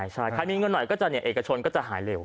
ใช่ใครมีเงินหน่อยเอกชนก็จะหายเร็ว